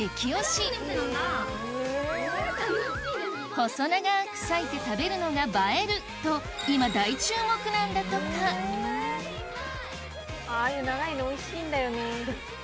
細長く割いて食べるのが映えると今ああいう長いのおいしいんだよね。